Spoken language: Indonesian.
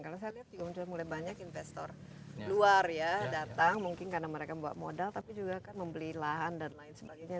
karena saya lihat juga mulai banyak investor luar ya datang mungkin karena mereka buat modal tapi juga kan membeli lahan dan lain sebagainya